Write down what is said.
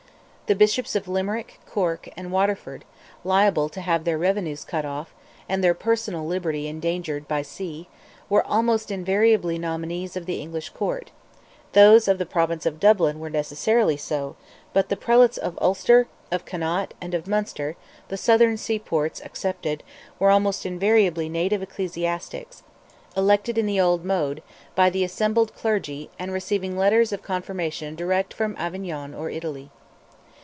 The Bishops of Limerick, Cork, and Waterford, liable to have their revenues cut off, and their personal liberty endangered by sea, were almost invariably nominees of the English Court; those of the Province of Dublin were necessarily so; but the prelates of Ulster, of Connaught, and of Munster—the southern seaports excepted—were almost invariably native ecclesiastics, elected in the old mode, by the assembled clergy, and receiving letters of confirmation direct from Avignon or Italy.